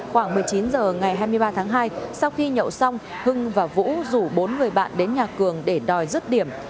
khoảng một mươi chín h ngày hai mươi ba tháng hai sau khi nhậu xong hưng và vũ rủ bốn người bạn đến nhà cường để đòi dứt điểm